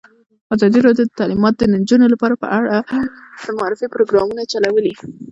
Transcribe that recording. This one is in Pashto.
ازادي راډیو د تعلیمات د نجونو لپاره په اړه د معارفې پروګرامونه چلولي.